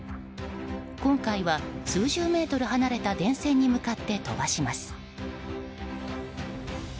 今回は、数十メートル離れた電線に向かって飛ばします。